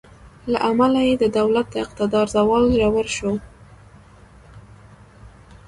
له امله یې د دولت د اقتدار زوال ژور شو.